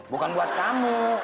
bukan buat kamu